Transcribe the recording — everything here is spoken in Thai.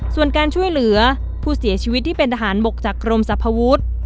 ส่วนการช่วยเหลือผู้เสียชีวิตที่เป็นทหารบกจากกรมสรรพวุฒิ